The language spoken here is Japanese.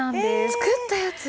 作ったやつ？